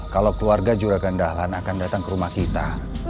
kalau keluarga juragan dahlan akan datang ke rumah kita